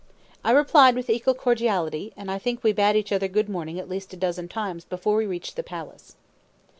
I replied with equal cordiality, and I think we bade each other good morning at least a dozen times before we reached the palace.